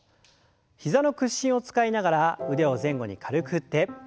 膝の屈伸を使いながら腕を前後に軽く振って。